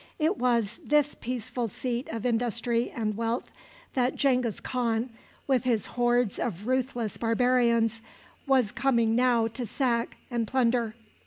It was this peaceful seat of industry and wealth that Genghis Khan, with his hordes of ruthless barbarians, was coming now to sack and plunder.